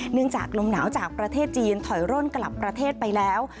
จากลมหนาวจากประเทศจีนถอยร่นกลับประเทศไปแล้ว